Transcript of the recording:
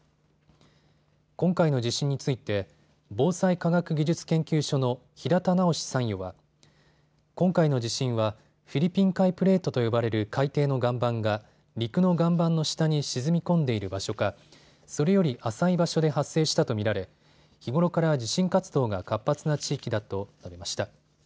今回の地震について防災科学技術研究所の平田直参与は今回の地震はフィリピン海プレートと呼ばれる海底の岩盤が陸の岩盤の下に沈み込んでいる場所かそれより浅い場所で発生したと見られ、日頃から地震活動が活発な地域だと述べました。